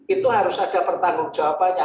itu harus ada pertanggung jawabannya